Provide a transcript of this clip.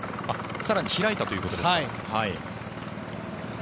更に開いたということですか。